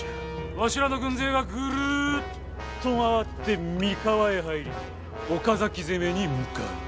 わしらの軍勢がぐるっと回って三河へ入り岡崎攻めに向かう。